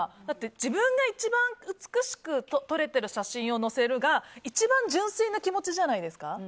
だって自分が一番美しく撮れてる写真を載せるのが一番純粋な気持ちじゃないですか。